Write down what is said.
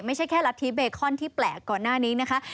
ไม่ใช่แค่รัฐธิเบคอนที่แปลกก่อนหน้านี้นะคะ